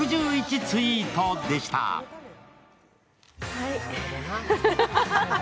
はい。